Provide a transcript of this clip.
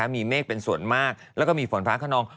มีเมฆเป็นส่วนมากแล้วก็มีฝนฟ้าขนอง